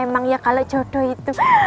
emang ya kalau jodoh itu